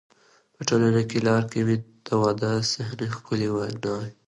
په ټوله لار کې مې د واده صحنې، ښکلې ناوې،